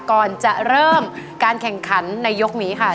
ก่อนจะเริ่มการแข่งขันในยกนี้ค่ะ